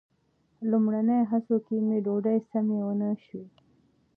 لومړني هڅو کې مې ډوډۍ سمې ونه شوې.